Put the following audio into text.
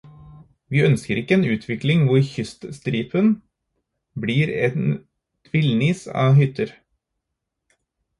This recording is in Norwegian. Vi ønsker ikke en utvikling hvor kyststripen blir et villnis av hytter.